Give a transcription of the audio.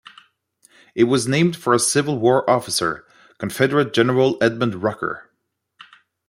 It was named for a Civil War officer, Confederate General Edmund Rucker.